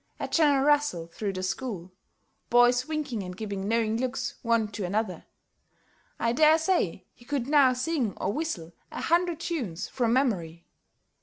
[A general rustle through the school, boys winking and giving knowing looks one to another.] I dare say he could now sing or whistle a hundred tunes from memory.